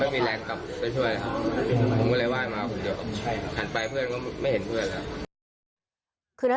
หันไปเพื่อนก็ไม่เห็นเพื่อนแล้ว